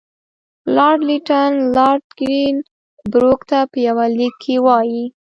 لارډ لیټن لارډ ګرین بروک ته په یوه لیک کې وایي.